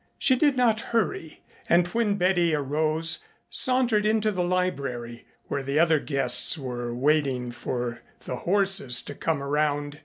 She did not hurry, and when Betty arose sauntered into the library where the other guests were waiting for the horses to come around.